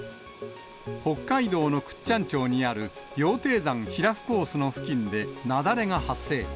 北海道の倶知安町にある羊蹄山比羅夫コースの付近で雪崩が発生。